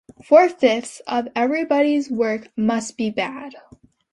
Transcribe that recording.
Four-fifths of everybody's work must be bad.